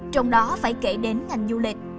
trong đó phải kể đến ngành du lịch